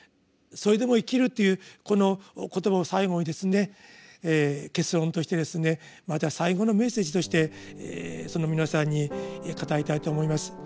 「それでも生きる」というこの言葉を最後に結論としてまた最後のメッセージとして皆さんに語りたいと思います。